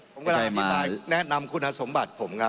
ผมก็อธิบายแนะนำคุณศาสตร์สมบัติผมครับ